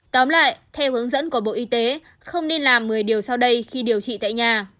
tóm lại theo hướng dẫn của bộ y tế không nên làm một mươi điều sau đây khi điều trị tại nhà